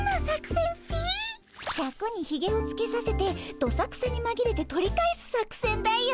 シャクにひげをつけさせてどさくさにまぎれて取り返す作戦だよ。